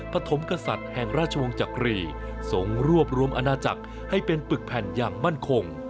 ปฐมกษัตริย์แห่งราชวงศ์จักรีส่งรวบรวมอาณาจักรให้เป็นปึกแผ่นอย่างมั่นคง